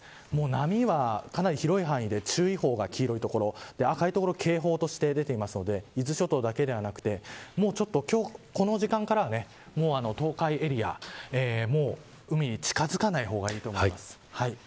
波は、かなり広い範囲で注意報が黄色いところ赤いところは警報として出ているので伊豆諸島だけではなくて今日この時間から東海エリアもう海に近づかない方がいいと思います。